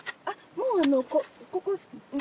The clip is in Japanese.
もうここ。